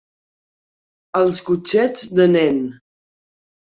Als cotxets de nen.